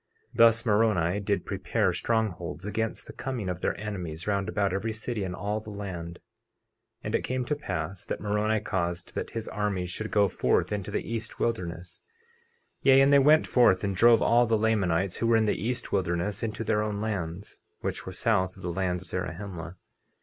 50:6 Thus Moroni did prepare strongholds against the coming of their enemies, round about every city in all the land. 50:7 And it came to pass that Moroni caused that his armies should go forth into the east wilderness; yea, and they went forth and drove all the Lamanites who were in the east wilderness into their own lands, which were south of the land of Zarahemla.